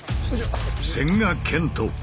千賀健永